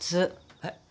はい？